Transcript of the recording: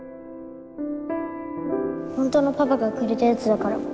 本当のパパがくれたやつだから。